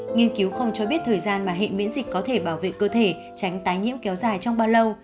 nghiên cứu không cho biết thời gian mà hệ miễn dịch có thể bảo vệ cơ thể tránh tái nhiễm kéo dài trong bao lâu